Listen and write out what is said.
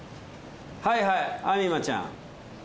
はいはいアミマちゃん。